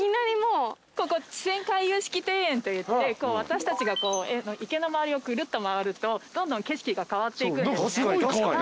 ここ池泉回遊式庭園といって私たちが池の周りをぐるっと回るとどんどん景色が変わっていくんですね。